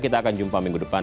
kita akan jumpa minggu depan